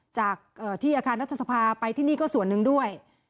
จากที่อาคารรัฐสภาไปที่นี่ก็ส่วนหนึ่งด้วย